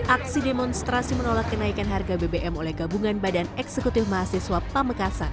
aksi demonstrasi menolak kenaikan harga bbm oleh gabungan badan eksekutif mahasiswa pamekasan